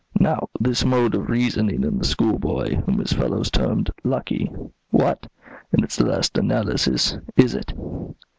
Now this mode of reasoning in the schoolboy, whom his fellows termed 'lucky,' what, in its last analysis, is it?"